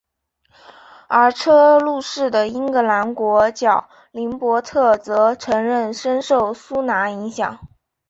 而车路士的英格兰国脚林柏特则承认深受苏拿影响。